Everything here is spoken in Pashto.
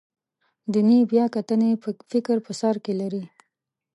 دیني بیاکتنې فکر په سر کې لري.